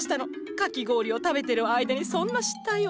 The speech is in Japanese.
かき氷を食べてる間にそんな失態を。